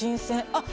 あっ！